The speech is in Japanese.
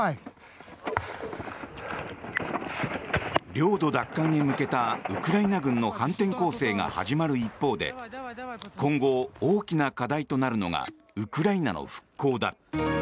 領土奪還へ向けたウクライナ軍の反転攻勢が始まる一方で今後、大きな課題となるのがウクライナの復興だ。